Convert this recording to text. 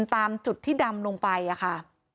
ตามจุดที่ดำลงไปค่ะ